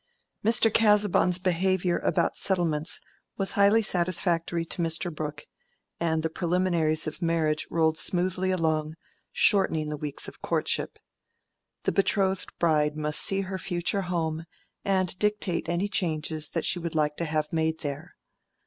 Mr. Casaubon's behavior about settlements was highly satisfactory to Mr. Brooke, and the preliminaries of marriage rolled smoothly along, shortening the weeks of courtship. The betrothed bride must see her future home, and dictate any changes that she would like to have made there.